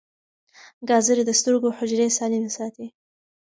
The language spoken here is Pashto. ګازرې د سترګو حجرې سالمې ساتي.